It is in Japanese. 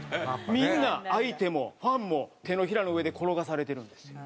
みんな相手もファンも手のひらの上で転がされてるんですよ。